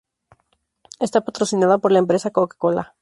Está patrocinada por la empresa Coca-Cola.